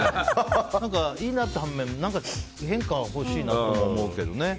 いいなっていう反面何か変化が欲しいなとも思うけど。